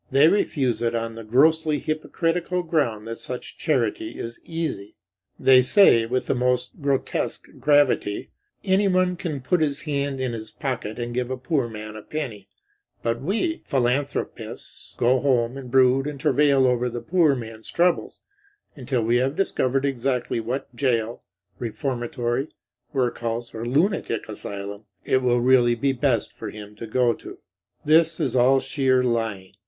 They refuse it on the grossly hypocritical ground that such charity is easy. They say, with the most grotesque gravity, "Anyone can put his hand in his pocket and give a poor man a penny; but we, philanthropists, go home and brood and travail over the poor man's troubles until we have discovered exactly what jail, reformatory, workhouse, or lunatic asylum it will really be best for him to go to." This is all sheer lying.